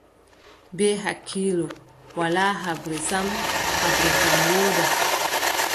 Bee hakkiilo, walaa haɓre sam, haɓre kam wooda.